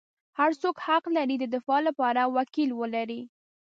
هر څوک حق لري د دفاع لپاره وکیل ولري.